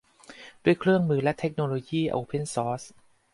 ด้วยเครื่องมือและเทคโนโลยีโอเพ่นซอร์ส